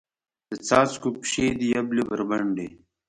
د څاڅکو پښې دي یبلې بربنډې